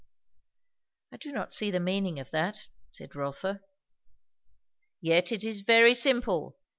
'" "I do not see the meaning of that," said Rotha. "Yet it is very simple.